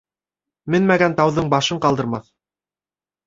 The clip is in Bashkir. Менмәгән тауҙың башын ҡалдырмаҫ.